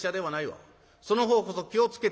その方こそ気を付けてな」。